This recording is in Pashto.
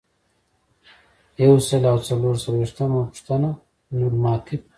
یو سل او څلور څلویښتمه پوښتنه د نورماتیف په اړه ده.